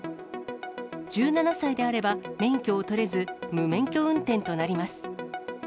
１７歳であれば免許を取れず、無免許運転となります。